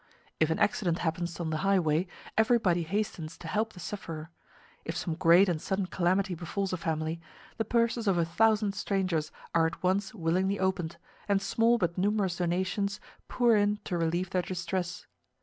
If an accident happens on the highway, everybody hastens to help the sufferer; if some great and sudden calamity befalls a family, the purses of a thousand strangers are at once willingly opened, and small but numerous donations pour in to relieve their distress.